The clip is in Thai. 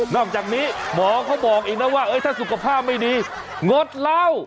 นอกจากนี้หมอเขาบอกอีกแล้วว่าเอ้ยถ้าสุขภาพไม่ดีงดเล่า